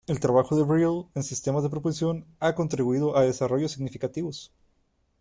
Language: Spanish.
El trabajo de Brill en sistemas de propulsión ha contribuido a desarrollos significativos.